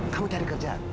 kamu cari kerjaan